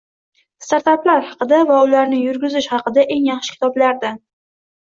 Startaplar haqida va ularni yurgizish haqida eng yaxshi kitoblardan.